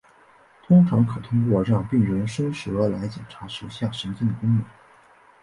通常可通过让病人伸舌来检查舌下神经的功能。